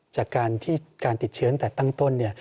จากการติดเชื้อตั้งต้นเนี่ย